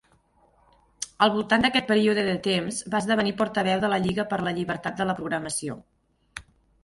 Al voltant d'aquest període de temps, va esdevenir portaveu de la Lliga per a la Llibertat de la Programació.